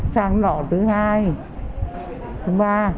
sáng lọ thứ hai thứ ba